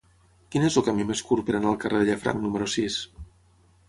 Quin és el camí més curt per anar al carrer de Llafranc número sis?